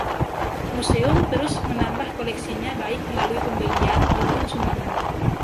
Museum terus menambah koleksinya baik melalui pembelian maupun sumbangan.